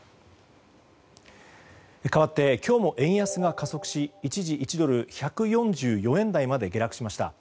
かわって今日も円安が加速し一時、１ドル＝１４４円台まで下落しました。